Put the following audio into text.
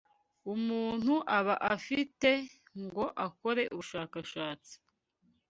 umuntu aba afite ngo akore ubushakashatsi